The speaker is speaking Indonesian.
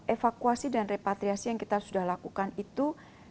evakuasi dan repatriasi yang kita sudah lakukan itu